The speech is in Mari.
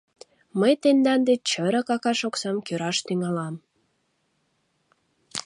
Мый тендан деч чырык акаш оксам кӱраш тӱҥалам.